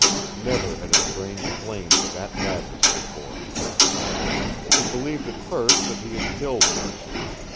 Never had his brain flamed to that madness before. He believed at first that he had killed Mercer.